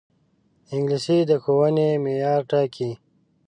انګلیسي د ښوونې معیار ټاکي